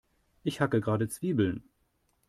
Ich hacke gerade Zwiebeln.